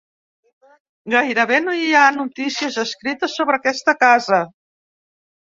Gairebé no hi ha notícies escrites sobre aquesta casa.